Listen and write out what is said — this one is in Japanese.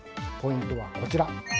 ポイントはこちら。